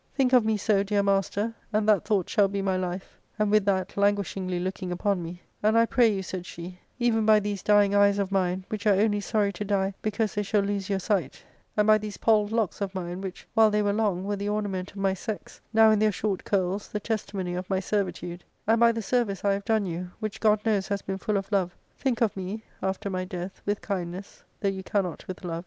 Think of me so, dear master, and that thought shall be my life ;* and with that langui shingly looking upon me, * and I pray you,' said she, * even by these dying eyes of mine, which are only sorry to die because they shall lose your sight, and by these polled locks of mine, which, while they were long, were the ornament of my sex, now in their short curls, the testimony of my servitude ; and by the service \ have done you, which God knows has been full of love, think of mfe after my death w^^h kindness, though you cannot with love.